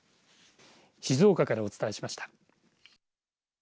静岡からお伝えしました。